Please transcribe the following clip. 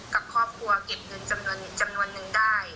กับครอบครัวเก็บเงินจำนวนนึงได้